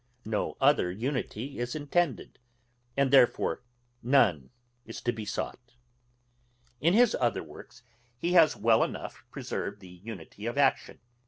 No other unity is intended, and therefore none is to be sought. In his other works he has well enough preserved the unity of action.